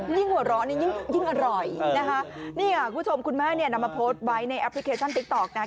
ยิ่งหัวเราะเนี่ยยิ่งอร่อยนี่คุณแม่นำมาโพสต์ใบท์ในแอปพลิเคชันติ๊กตอล์กนะครับ